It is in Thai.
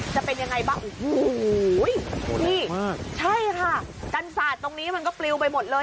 จะเป็นยังไงบ้างโอ้โหนี่ใช่ค่ะกันศาสตร์ตรงนี้มันก็ปลิวไปหมดเลย